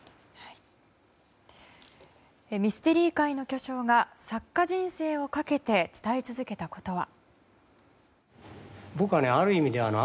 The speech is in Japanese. ミステリー界の巨匠が作家人生をかけて伝え続けたことは。